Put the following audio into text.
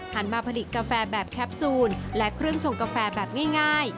มาผลิตกาแฟแบบแคปซูลและเครื่องชงกาแฟแบบง่าย